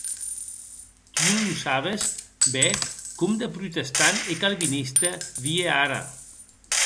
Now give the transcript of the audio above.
Tu non sabes ben com de protestant e calviniste vie ara.